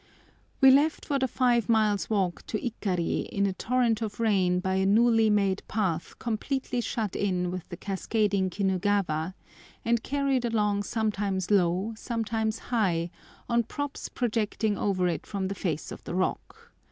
We left for the five miles' walk to Ikari in a torrent of rain by a newly made path completely shut in with the cascading Kinugawa, and carried along sometimes low, sometimes high, on props projecting over it from the face of the rock.